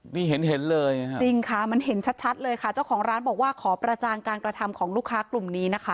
นี่เห็นเห็นเลยค่ะจริงค่ะมันเห็นชัดเลยค่ะเจ้าของร้านบอกว่าขอประจางการกระทำของลูกค้ากลุ่มนี้นะคะ